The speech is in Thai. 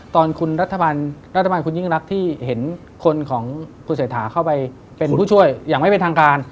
ตอนคุณรัฐบาลรัฐบาลคุณยิ่งรักที่เห็นคนของคุณเศรษฐาเข้าไปเป็นผู้ช่วยอย่างไม่เป็นทางการ